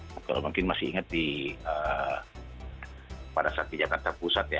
kalau mungkin masih ingat pada saat di jakarta pusat ya